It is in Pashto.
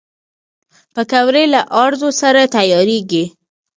پکورې له آردو سره تیارېږي